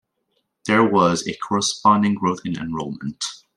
There was a corresponding growth in enrollment.